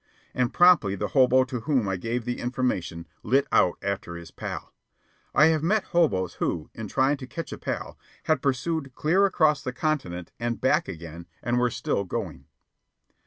And promptly the hobo to whom I gave the information lit out after his pal. I have met hoboes who, in trying to catch a pal, had pursued clear across the continent and back again, and were still going.